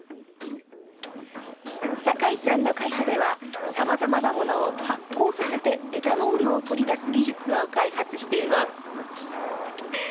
酒井さんの会社では、さまざまなものを発酵させて、エタノールを取り出す技術を開発しています。